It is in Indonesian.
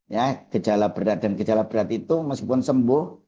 ya gejala berat dan gejala berat itu meskipun sembuh